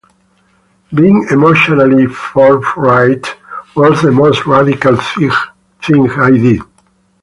Being emotionally forthright was the most radical thing I did.